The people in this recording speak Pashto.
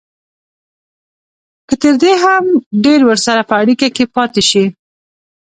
که تر دې هم ډېر ورسره په اړیکه کې پاتې شي